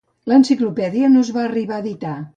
L'enciclopèdia no es va arribar a editar.